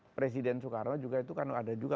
presiden soekarno juga itu kan ada juga